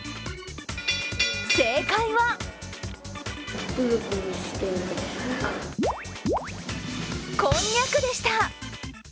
正解はこんにゃくでした！